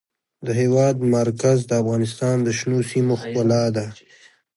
د هېواد مرکز د افغانستان د شنو سیمو ښکلا ده.